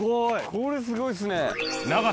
これすごいですね。